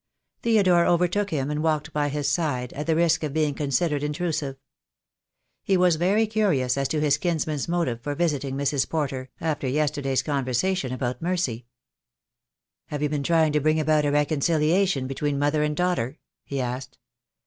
Theodore overtook him, and walked by his side, at the risk of being considered intrusive. He was very curious as to his kinsman's motive for visiting Mrs. Porter, after yesterday's conversation about Mercy. "Have you been trying to bring about a reconcilia tion between mother and daughter?" he asked.